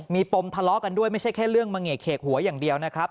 มีปมทะเลาะกันด้วยไม่ใช่แค่เรื่องมะเงกเขกหัวอย่างเดียวนะครับ